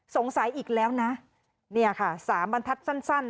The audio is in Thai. สงสัยอีกแล้วนะนี่ค่ะ๓บรรทัศน์สั้น